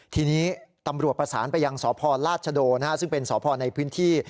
ทีนี้ตำรวจประสานไปยังสพราชโดซึ่งเป็นสพในพื้นที่